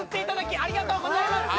ありがとうございます。